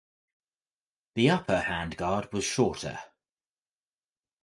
The upper hand guard was shorter.